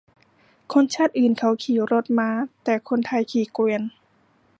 คนชาติอื่นเขาขี่รถม้า แต่คนไทยขี่เกวียน